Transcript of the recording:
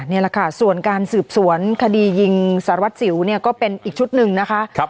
นี่แหละค่ะส่วนการสืบสวนคดียิงสารวัตรสิวเนี่ยก็เป็นอีกชุดหนึ่งนะคะ